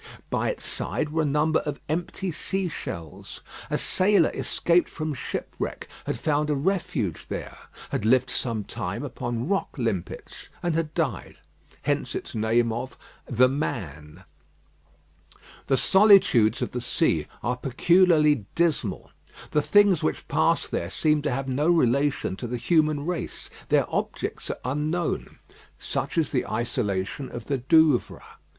By its side were a number of empty sea shells. A sailor escaped from shipwreck had found a refuge there; had lived some time upon rock limpets, and had died. Hence its name of "The Man." The solitudes of the sea are peculiarly dismal. The things which pass there seem to have no relation to the human race; their objects are unknown. Such is the isolation of the Douvres.